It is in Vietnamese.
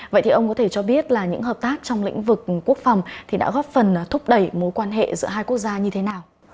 vậy thì ông có thể cho biết là những hợp tác trong lĩnh vực quốc phòng thì đã góp phần thúc đẩy mối quan hệ giữa hai quốc gia như thế nào